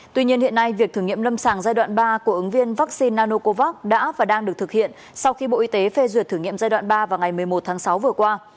tuy nhiên hiện nay việc thử nghiệm lâm sàng giai đoạn ba của ứng viên vaccine nanocovax đã và đang được thực hiện sau khi bộ y tế phê duyệt thử nghiệm giai đoạn ba vào ngày một mươi một tháng sáu vừa qua